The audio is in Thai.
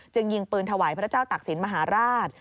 ยิงปืนถวายพระเจ้าตักศิลปมหาราช